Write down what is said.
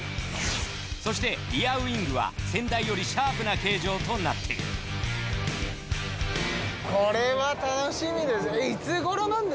そしてリアウィングは先代よりシャープな形状となっているこれは楽しみですね。